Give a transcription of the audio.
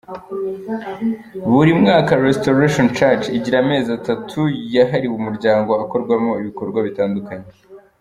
Buri mwaka Restaration Church igira amezi atatu yahariwe umuryango, akorwamo ibikorwa bitandukanye.